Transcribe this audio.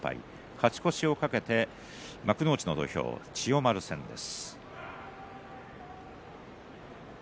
勝ち越しを懸けて幕内の土俵です、千代丸戦です。